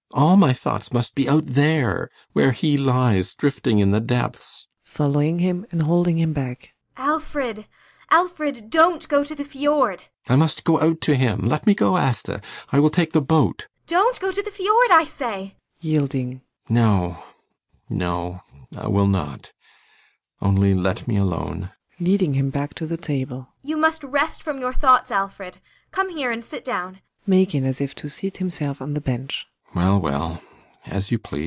] All my thoughts must be out there, where he lies drifting in the depths! ASTA. [Following him and holding him back.] Alfred Alfred! Don't go to the fiord. ALLMERS. I must go out to him! Let me go, Asta! I will take the boat. ASTA. [In terror.] Don't go to the fiord, I say! ALLMERS. [Yielding.] No, no I will not. Only let me alone. ASTA. [Leading him back to the table.] You must rest from your thoughts, Alfred. Come here and sit down. ALLMERS. [Making as if to seat himself on the bench.